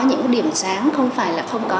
những điểm sáng không phải là không có